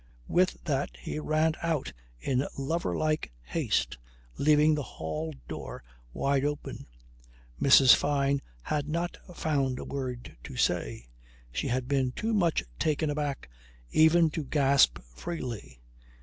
With that he ran out in lover like haste leaving the hall door wide open. Mrs. Fyne had not found a word to say. She had been too much taken aback even to gasp freely.